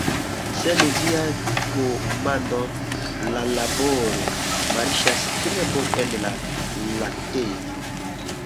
Sen viaj komandoj la laboro marŝas tre bone en la laktejo.